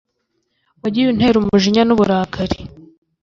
wagiye untera umujinya e n uburakari